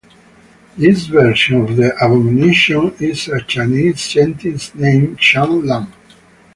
This version of the Abomination is a Chinese scientist named Chang Lam.